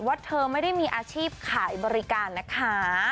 เธอไม่ได้มีอาชีพขายบริการนะคะ